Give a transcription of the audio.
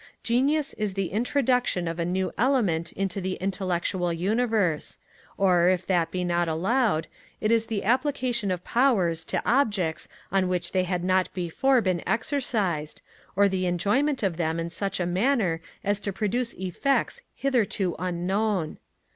Genius is the introduction of a new element into the intellectual universe: or, if that be not allowed, it is the application of powers to objects on which they had not before been exercised, or the employment of them in such a manner as to produce effects hitherto unknown.